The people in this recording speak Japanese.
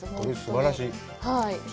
すばらしい。